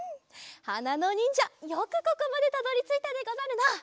はなのにんじゃよくここまでたどりついたでござるな！